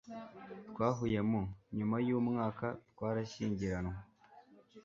Twahuye mu . Nyuma yumwaka, twarashyingiranywe.